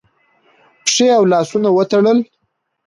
پښې او لاسونه وتړل